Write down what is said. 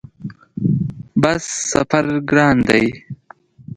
بس سفر ګران دی؟